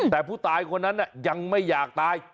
แต่ผู้ตายคนนั้นยังไม่อยากตาย